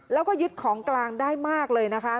แล้วก็ยึดของกลางได้มากเลยนะคะ